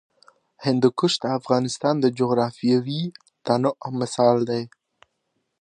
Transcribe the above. هندوکش د افغانستان د جغرافیوي تنوع مثال دی.